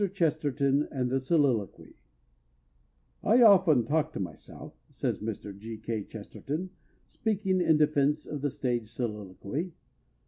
CHESTERTON AND THE SOLILOQUY "I often talk to myself," says Mr. G. K. Chesterton, speaking in defense of the stage soliloquy.